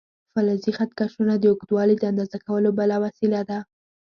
فلزي خط کشونه د اوږدوالي د اندازه کولو بله وسیله ده.